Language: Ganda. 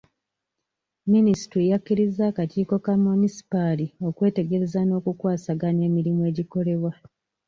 Minisitule yakkiriza akakiiko ka munisipaali okwetegereza n'okukwasaganya emirimu egikolebwa.